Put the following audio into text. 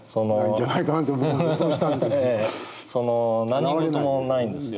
何事もないんですよ。